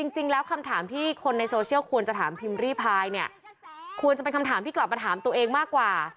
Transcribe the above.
จริงแล้วคำถามที่คนในโซเชียลควรจะถามพิมพ์รีพายเนี่ยควรจะเป็นคำถามที่กลับมาถามตัวเองมากกว่า